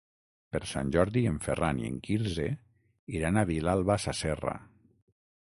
Per Sant Jordi en Ferran i en Quirze iran a Vilalba Sasserra.